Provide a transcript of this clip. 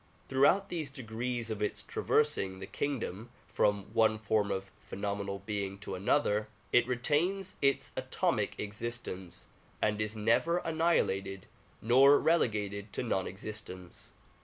Throughout these degrees of its traversing the kingdoms from one form of phenomenal being to another, it retains its atomic existence and is never annihilated nor relegated to non existence.